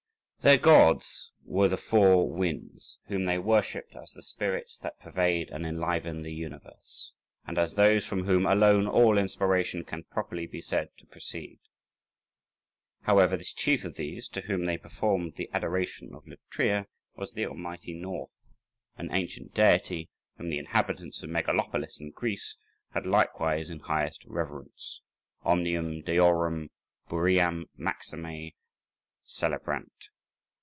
Their gods were the four winds, whom they worshipped as the spirits that pervade and enliven the universe, and as those from whom alone all inspiration can properly be said to proceed. However, the chief of these, to whom they performed the adoration of Latria, was the Almighty North, an ancient deity, whom the inhabitants of Megalopolis in Greece had likewise in highest reverence. "Omnium deorum Boream maxime celebrant."